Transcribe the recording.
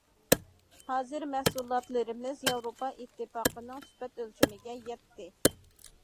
ھازىر مەھسۇلاتلىرىمىز ياۋروپا ئىتتىپاقىنىڭ سۈپەت ئۆلچىمىگە يەتتى.